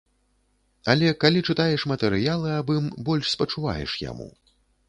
Але калі чытаеш матэрыялы аб ім, больш спачуваеш яму.